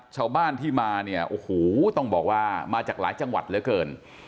ชาวบ้านที่มาเนี่ยโอ้โหต้องบอกว่ามาจากหลายจังหวัดเหลือเกิน